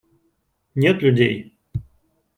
Нет людей.